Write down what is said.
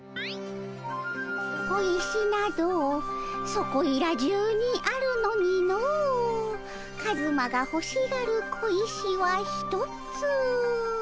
「小石などそこいら中にあるのにのカズマがほしがる小石はひとつ」。